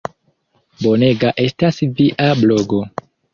Bonega estas via blogo.